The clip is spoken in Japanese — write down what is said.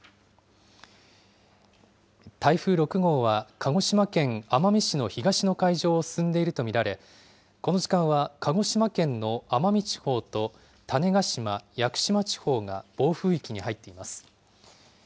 台風６号は鹿児島県奄美市の東の海上を進んでいると見られ、この時間は鹿児島県の奄美地方と種子島・屋久島地方が暴風域に入っています。